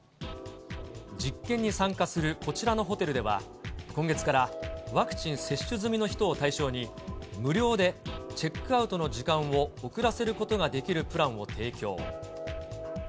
実験に参加するこちらのホテルでは、今月からワクチン接種済みの人を対象に、無料でチェックアウトの時間を遅らせることができるプランを提供。